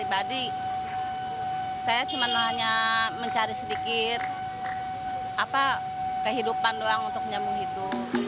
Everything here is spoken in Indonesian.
jadi saya cuma mencari sedikit kehidupan doang untuk nyambung itu